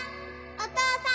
・お父さん！